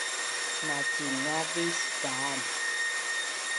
Macingavis daan